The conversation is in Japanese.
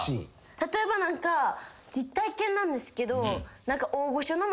例えば実体験なんですけど。